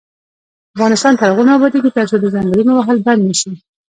افغانستان تر هغو نه ابادیږي، ترڅو د ځنګلونو وهل بند نشي.